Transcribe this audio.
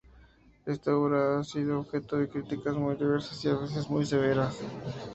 Esta obra ha sido objeto de críticas muy diversas y a veces muy severas.